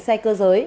xe cơ giới